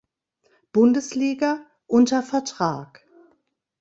Bundesliga, unter Vertrag.